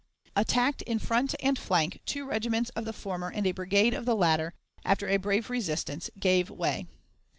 Attacked in front and flank, two regiments of the former and a brigade of the latter, after a brave resistance, gave way.